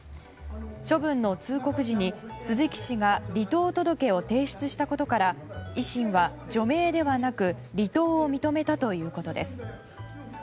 処分の通告時に、鈴木氏が離党届を提出したことから維新は除名ではなく離党を認めたということです。